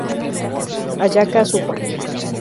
Ayaka Suwa